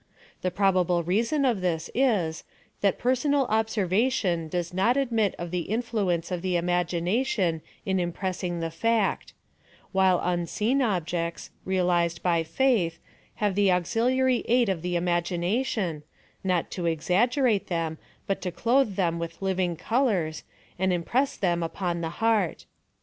The probable reason of this is, that personal observation does not admit of the influence of the imagination in impressing the fact ; while imseen objects, reali zed by faith, have the auxiliary aid of the imagina tion, not to exaggerate them, but to clothe tlieui with living colors, and impress them upon the heart.